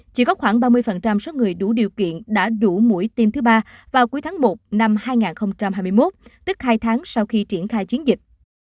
chỉ có khoảng ba mươi số người đủ điều kiện đã đủ mũi tiêm thứ ba vào cuối tháng một năm hai nghìn hai mươi một tức hai tháng sau khi triển khai chiến dịch